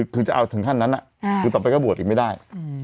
คือจะเอาถึงขั้นนั้นคือต่อไปก็บวชอีกไม่ได้